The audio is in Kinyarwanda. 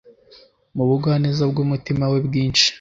Mu bugwaneza bw’umutima we bwinshi